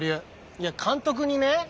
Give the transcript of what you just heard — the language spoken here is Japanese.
いや監督にね